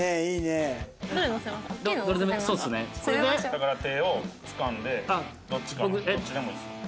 だから手をつかんでどっちかがどっちでもいいですよ。